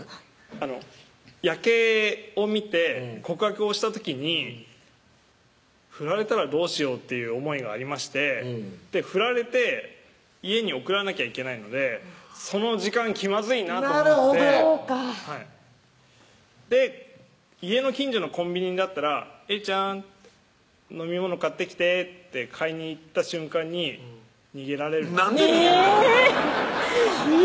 あの夜景を見て告白をした時に振られたらどうしようっていう思いがありまして振られて家に送らなきゃいけないのでその時間気まずいなと思ってなるほどで家の近所のコンビニだったら「絵梨ちゃん飲み物買ってきて」って買いに行った瞬間に逃げられるえーっ！